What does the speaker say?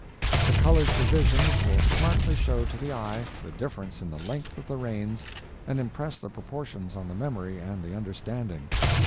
The colored divisions will smartly show to the eye the difference in the length of the reigns and impress the proportions on the memory and the understanding.